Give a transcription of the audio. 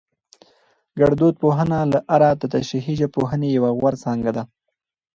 ګړدود پوهنه له اره دتشريحي ژبپوهنې يوه غوره څانګه ده